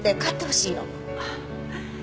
あっ。